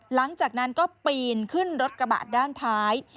หลังจากนั้นก็ปีนขึ้นรถกระบะด้านท้าย